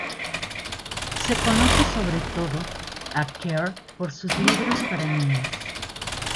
Se conoce sobre todo a Kerr por sus libros para niños.